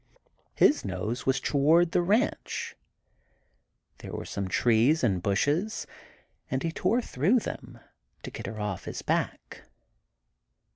His nose was toward the ranch. There were some trees and bushes, and he tore through them, to get her off his back.